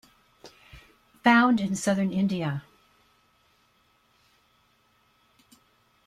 Found in southern India.